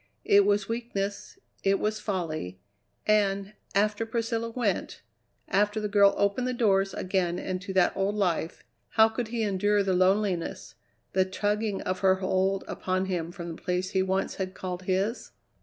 It was weakness, it was folly, and, after Priscilla went, after the girl opened the doors again into that old life, how could he endure the loneliness, the tugging of her hold upon him from the place he once had called his?